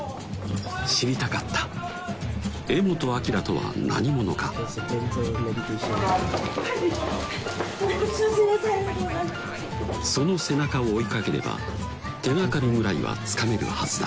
知りたかった柄本明とは何者かその背中を追いかければ手がかりぐらいはつかめるはずだ